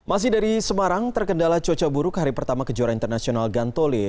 masih dari semarang terkendala cuaca buruk hari pertama kejuaraan internasional gantole